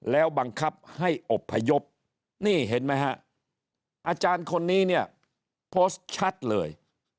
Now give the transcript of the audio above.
แล้วบังคับให้อบพยพนี่เห็นไหมฮะอาจารย์คนนี้เนี่ยโพสต์ชัดเลย